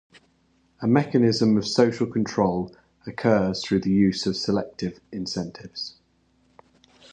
A mechanism of social control occurs through the use of selective incentives.